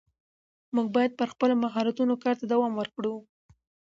موږ باید پر خپلو مهارتونو کار ته دوام ورکړو